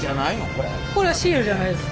これはシールじゃないです。